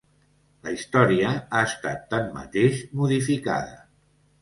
La història ha estat tanmateix modificada.